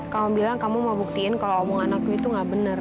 kamu bilang kamu mau buktiin kalau omong anakku itu gak bener